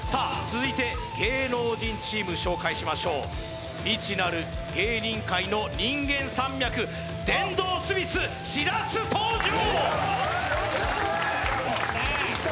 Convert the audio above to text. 続いて芸能人チーム紹介しましょう未知なる芸人界の人間山脈電動スミスしらす登場！